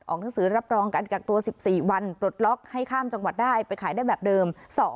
หนังสือรับรองการกักตัว๑๔วันปลดล็อกให้ข้ามจังหวัดได้ไปขายได้แบบเดิม